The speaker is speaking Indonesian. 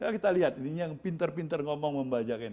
kita lihat ini yang pinter pinter ngomong membajak ini